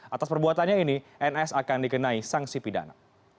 atas perbuatannya ini ns akan dikenai sanksi pidana